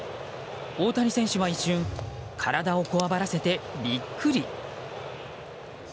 大谷選手は一瞬体をこわばらせて、ビックリ。